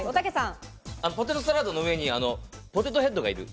ポテトサラダの上に、ポテトヘッドがいる。